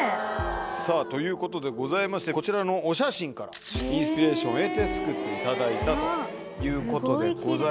さぁということでございましてこちらのお写真からインスピレーションを得て作っていただいたということございまして。